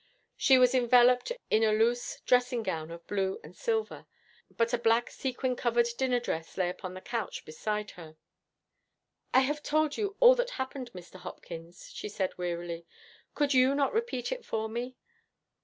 She was enveloped in a loose dressing gown of blue and silver, but a black sequin covered dinner dress lay upon the couch beside her. 'I have told you all that happened, Mr. Hopkins,' she said, wearily. 'Could you not repeat it for me?